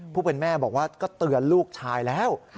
ผู้เป็นแม่บอกว่าก็เตือนลูกชายแล้ว